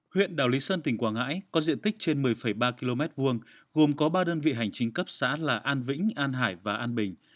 huyện đảo lý sơn tỉnh quảng ngãi có diện tích trên một mươi ba km hai gồm có ba đơn vị hành chính cấp xã là an vĩnh an hải và an bình